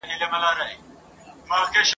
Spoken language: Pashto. د زلمیو توري څڼي به تاوده کړي محفلونه ..